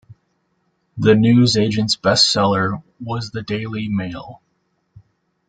The newsagent’s best seller was The Daily Mail